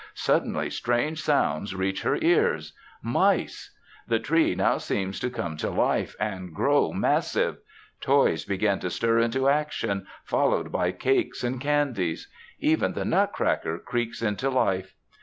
Suddenly strange sounds reach her ears. Mice! The Tree now seems to come to life and grow massive. Toys begin to stir into action, followed by cakes and candies. Even the Nutcracker creaks into life.